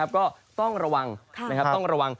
ก็ต้องรวมระวัง